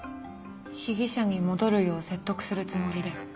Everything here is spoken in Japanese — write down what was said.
被疑者に戻るよう説得するつもりで？